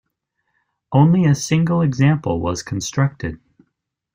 Only a single example was constructed.